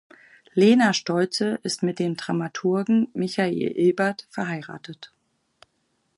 Lena Stolze ist mit dem Dramaturgen Michael Eberth verheiratet.